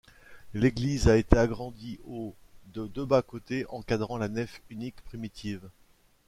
L'église a été agrandie au de deux bas-côtés encadrant la nef unique primitive.